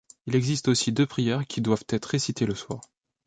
Il existe aussi deux prières qui doivent être récitées le soir.